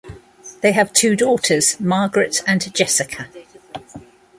They have two daughters, Margaret and Jessica.